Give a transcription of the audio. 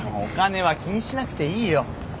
お金は気にしなくていいよ。